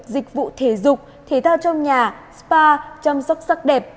dịch vụ thể dục thể thao trong nhà spa chăm sóc sắc đẹp